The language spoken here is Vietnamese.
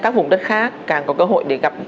các vùng đất khác càng có cơ hội để gặp